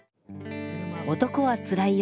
「男はつらいよ」